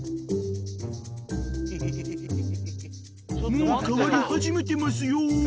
［もう変わり始めてますよ！］